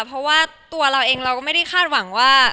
เพราะว่าตัวเราเองเราก็ไม่ได้คาดหวังว่า